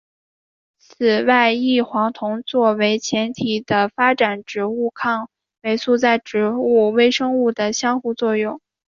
此外异黄酮作为前体的发展植物抗毒素在植物微生物的相互作用。